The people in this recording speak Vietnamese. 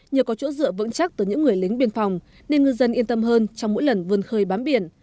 nhờ có chỗ dựa vững chắc từ những người lính biên phòng nên ngư dân yên tâm hơn trong mỗi lần vươn khơi bám biển